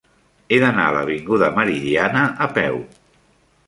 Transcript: He d'anar a l'avinguda Meridiana a peu.